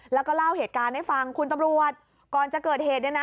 แล้วก็เล่าเหตุการณ์ให้ฟังคุณตำรวจก่อนจะเกิดเหตุเนี่ยนะ